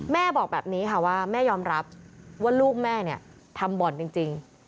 แม่บอกแบบนี้ค่ะว่าแม่ยอมรับว่าลูกแม่เนี่ยทำบ่อนจริง